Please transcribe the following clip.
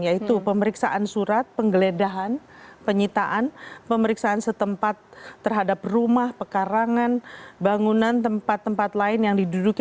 yaitu pemeriksaan surat penggeledahan penyitaan pemeriksaan setempat terhadap rumah pekarangan bangunan tempat tempat lain yang diduduki